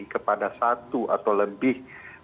kepada satu atau lebih